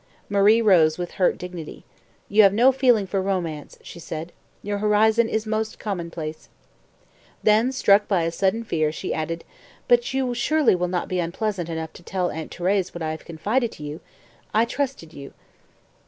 Marie rose with hurt dignity. "You have no feeling for romance," she said. "Your horizon is most commonplace." Then, struck by a sudden fear, she added, "But you surely will not be unpleasant enough to tell Aunt Thérèse what I have confided to you? I trusted you."